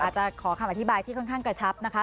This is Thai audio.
จะขอคำอธิบายที่ค่อนข้างกระชับนะคะ